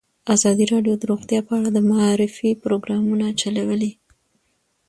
ازادي راډیو د روغتیا په اړه د معارفې پروګرامونه چلولي.